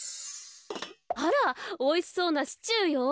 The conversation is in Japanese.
あらおいしそうなシチューよ。